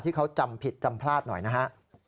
ที่เขาจำผิดจำพลาดหน่อยนะฮะ